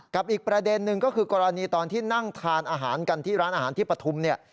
อีกประเด็นหนึ่งก็คือกรณีตอนที่นั่งทานอาหารกันที่ร้านอาหารที่ปฐุมเนี่ย